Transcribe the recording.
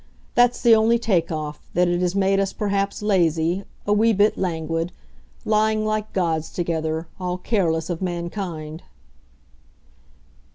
That's the only take off, that it has made us perhaps lazy, a wee bit languid lying like gods together, all careless of mankind."